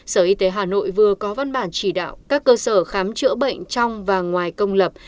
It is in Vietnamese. sở y tế hà nội vừa có văn bản chỉ đạo các cơ sở khám chữa bệnh trong và ngoài công lập